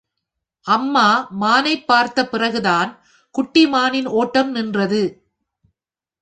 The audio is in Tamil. அம்மா மானைப் பார்த்த பிறகுதான் குட்டி மானின் ஒட்டம் நின்றது.